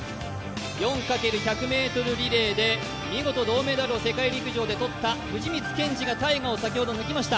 ４×１００ｍリレーで見事銅メダルを世界陸上でとった藤光謙司がＴＡＩＧＡを先ほど抜きました。